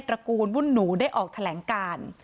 ระกูลวุ่นหนูได้ออกแถลงการ